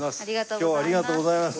今日はありがとうございます。